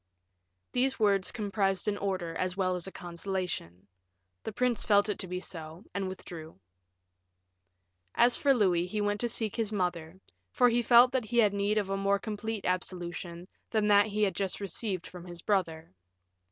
These words comprised an order as well as a consolation; the prince felt it to be so, and withdrew. As for Louis, he went to seek his mother, for he felt that he had need of a more complete absolution than that he had just received from his brother.